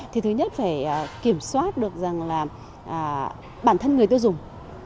thì thứ nhất phải kiểm soát được rằng là bản thân người tiêu dùng